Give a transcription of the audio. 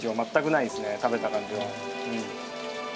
食べた感じはうん。